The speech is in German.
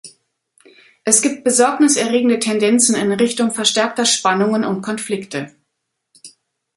Es gibt besorgniserregende Tendenzen in Richtung verstärkter Spannungen und Konflikte.